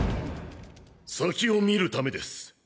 先を見る為です。